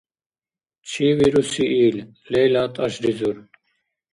— Чи вируси ил? — Лейла тӀашризур.